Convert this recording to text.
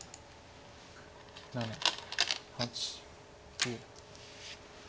７８９。